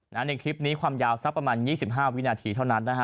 ในคลิปนี้ความยาวสักประมาณ๒๕วินาทีเท่านั้นนะฮะ